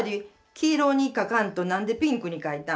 黄色に描かんと何でピンクに描いたん？